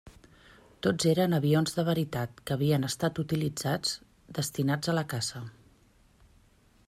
Tots eren avions de veritat que havien estat utilitzats, destinats a la caça.